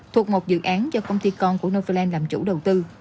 thuộc một dự án do công ty con của novoland làm chủ đầu tư